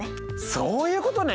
そういうことね！